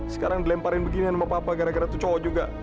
sekarang dilemparin beginian sama papa gara gara itu cowok juga